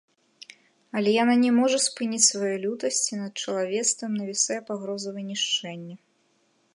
Але яна не можа спыніць сваю лютасць, і над чалавецтвам навісае пагроза вынішчэння.